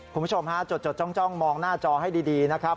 คุณผู้ชมฮะจดจ้องมองหน้าจอให้ดีนะครับ